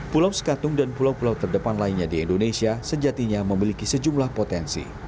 pulau sekatung dan pulau pulau terdepan lainnya di indonesia sejatinya memiliki sejumlah potensi